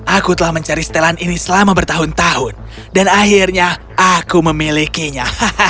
aku telah mencari setelan ini selama bertahun tahun dan akhirnya aku memilikinya